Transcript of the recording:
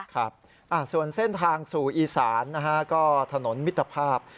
ครับส่วนเส้นทางสู่อีสานนะฮะก็ถนนมิตรภาพ